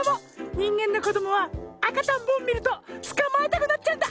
にんげんのこどもはあかとんぼをみるとつかまえたくなっちゃうんだ！